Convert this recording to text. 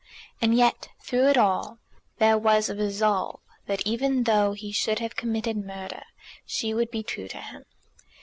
And yet, through it all, there was a resolve that even though he should have committed murder she would be true to him.